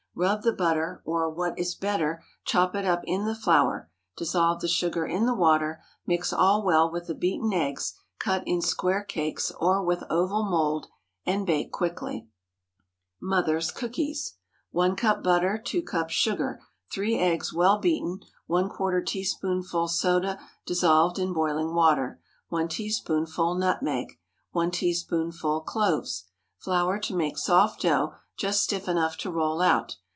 Rub the butter, or, what is better, chop it up in the flour; dissolve the sugar in the water; mix all well with the beaten eggs, cut in square cakes, or with oval mould, and bake quickly. "MOTHER'S" COOKIES. 1 cup butter. 2 cups sugar. 3 eggs, well beaten. ¼ teaspoonful soda dissolved in boiling water. 1 teaspoonful nutmeg. 1 teaspoonful cloves. Flour to make soft dough, just stiff enough to roll out.